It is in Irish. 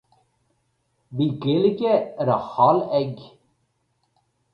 Bhí Gaeilge ar a thoil ag.